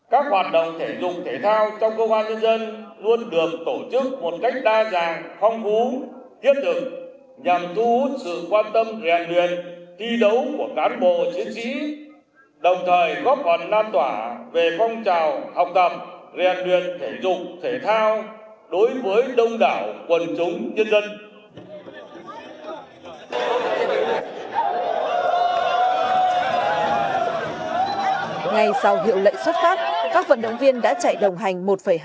các hoạt động thể dục thể thao trong công an nhân dân luôn được tổ chức một cách đa dạng phong phú thiết kế và đồng hành